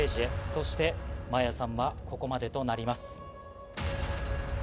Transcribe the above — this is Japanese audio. そして、真彩さんはここまでとなります。